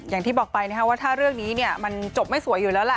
อย่างที่บอกไปนะครับว่าถ้าเรื่องนี้มันจบไม่สวยอยู่แล้วล่ะ